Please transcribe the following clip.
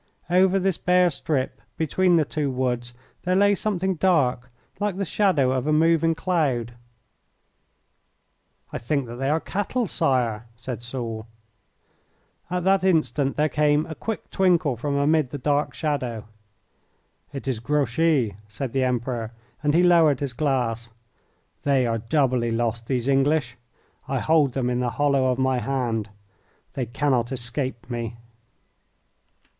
Over this bare strip between the two woods there lay something dark, like the shadow of a moving cloud. "I think that they are cattle, Sire," said Soult. At that instant there came a quick twinkle from amid the dark shadow. "It is Grouchy," said the Emperor, and he lowered his glass. "They are doubly lost, these English. I hold them in the hollow of my hand. They cannot escape me."